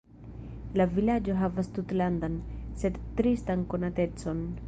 La vilaĝo havas tutlandan, sed tristan konatecon.